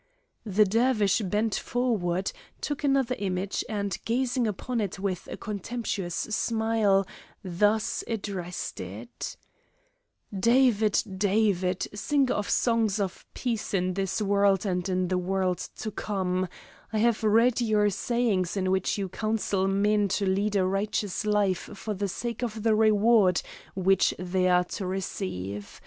The Dervish bent forward, took another image and, gazing upon it with a contemptuous smile, thus addressed it: "David, David, singer of songs of peace in this world and in the world to come, I have read your sayings in which you counsel men to lead a righteous life for the sake of the reward which they are to receive.